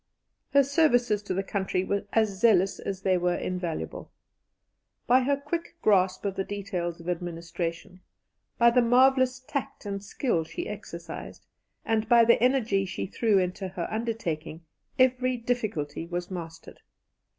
Her services to the country were as zealous as they were invaluable. By her quick grasp of the details of administration, by the marvellous tact and skill she exercised, and by the energy she threw into her undertaking, every difficulty was mastered.